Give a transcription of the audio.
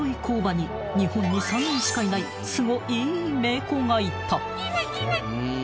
工場に日本に３人しかいないスゴいい名工がいた］